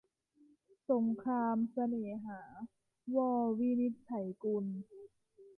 สงครามเสน่หา - ว วินิจฉัยกุล